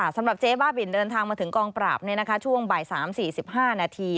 สำหรับเจ๊บ้าบินเดินทางมาถึงกองปราบช่วงบ่าย๓๔๕นาที